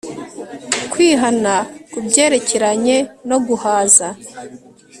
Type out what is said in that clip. kwihana ku byerekeranye no guhaza